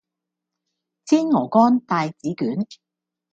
煎鵝肝帶子卷